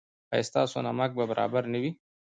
ایا ستاسو نمک به برابر نه وي؟